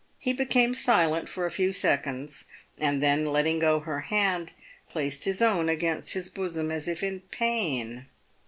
He became silent for a few seconds, and then letting go her hand, placed his own against his bosom as if in pain.